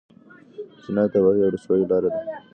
زنا د تباهۍ او رسوایۍ لاره ده.